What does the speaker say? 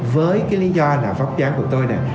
với cái lý do là vóc dáng của tôi nè